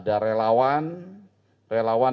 dan kekecewaan kekecewaan